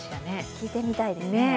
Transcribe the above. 聞いてみたいですね。